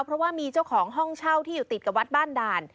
เพราะว่ามีเจ้าของห้องเช่าที่อยู่ติดกับวัดบ้านด่าน